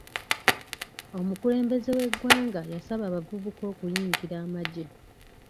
Omukulembeze w'eggwanga yasaba abavubuka okuyingira amagye.